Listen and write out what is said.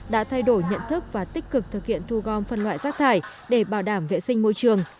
đã thay đổi nhận thức và tích cực thực hiện thu gom phân loại rác thải để bảo đảm vệ sinh môi trường